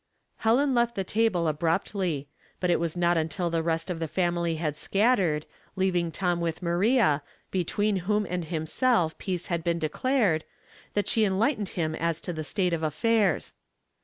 Helen left the table abruptly. But it was not until the rest of the family had scattered, leaving Tom with Maria, between whom and himself peace had been declared, that she enlightened him as to the state of affairs.